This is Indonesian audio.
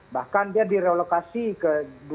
bahkan dia direlokasi ke dua ribu dua puluh satu